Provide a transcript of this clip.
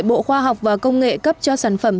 bộ khoa học và công nghệ cấp cho sản phẩm